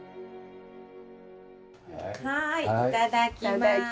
はいいただきます！